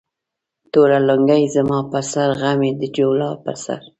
توره لنگۍ زما پر سر ، غم يې د جولا پر سر